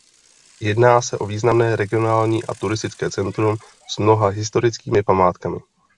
Jedná se o významné regionální a turistické centrum s mnoha historickými památkami.